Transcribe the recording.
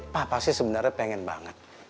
papa sih sebenarnya pengen banget